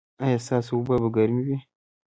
ایا ستاسو اوبه به ګرمې وي؟